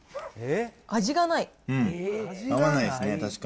味がない。